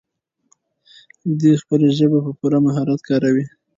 دی خپله ژبه په پوره مهارت کاروي.